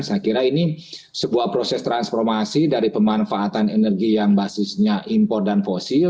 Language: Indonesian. saya kira ini sebuah proses transformasi dari pemanfaatan energi yang basisnya impor dan fosil